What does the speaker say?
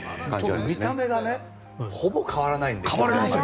見た目がねほぼ変わらないんで。